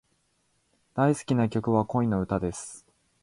大好きな曲は、恋の歌です。